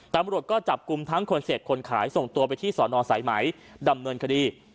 ตำรวจก็จับกลุ่มทั้งคนเสพคนขายส่งตัวไปที่สอนอสายไหมดำเนินคดี